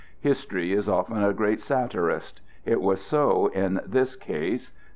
History is often a great satirist; it was so in this case.